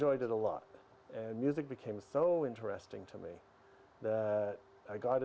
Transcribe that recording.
kita harus memperbaiki